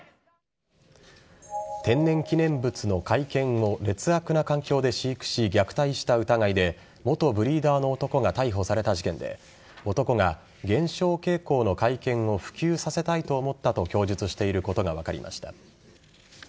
天然記念物の甲斐犬を劣悪な環境で飼育し虐待した疑いで元ブリーダーの男が逮捕された事件で男が減少傾向の甲斐犬を普及させたいと思ったと供述していることが分かりました。